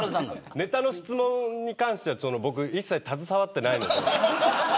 ネタの質問に関しては僕、一切携わってないので。